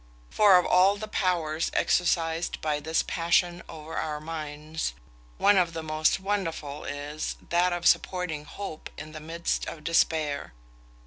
For of all the powers exercised by this passion over our minds, one of the most wonderful is that of supporting hope in the midst of despair.